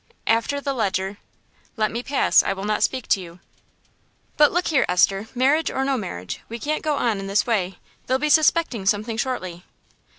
"After the Leger " "Let me pass. I will not speak to you." "But look here, Esther: marriage or no marriage, we can't go on in this way: they'll be suspecting something shortly."